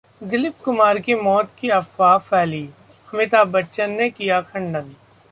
दिलीप कुमार की मौत की अफवाह फैली, अमिताभ बच्चन ने किया खंडन